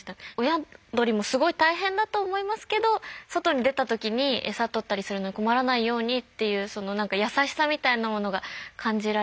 親鳥もすごい大変だと思いますけど外に出た時にエサとったりするのに困らないようにっていうその何か優しさみたいなものが感じられて。